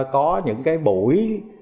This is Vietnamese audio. có những cái buổi